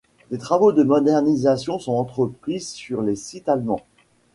Des travaux de modernisation sont entrepris sur les sites allemands.